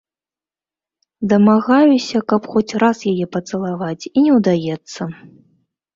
Дамагаюся, каб хоць раз яе пацалаваць, і не ўдаецца.